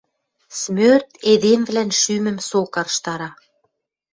Смӧрт эдемвлӓн шӱмӹм со карштара